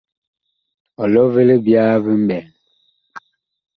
Ɔlɔ vi libyaa vi mɓɛɛŋ.